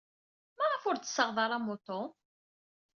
Maɣef ur d-tessaɣed ara amuṭu?